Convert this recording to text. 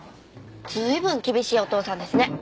随分厳しいお父さんですね。